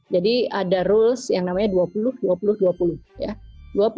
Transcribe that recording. jadi ada rules yang namanya dua puluh dua puluh dua puluh ya